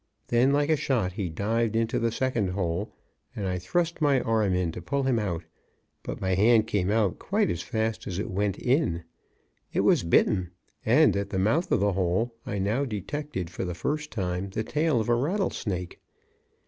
Then, like a shot, he dived into the second hole, and I thrust my arm in to pull him out. But my hand came out quite as fast as it went in. It was bitten; and at the mouth of the hole I now detected for the first time the tail of a rattlesnake.